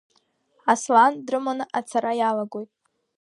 Аслан дрыманы ацара иалагоит.